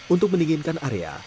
untuk mendinginkan area